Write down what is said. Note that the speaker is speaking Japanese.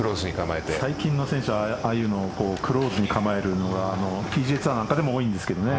最近の選手は、ああいうのをクローズに構えるのがＰＧＡツアーなんかでも多いんですかね。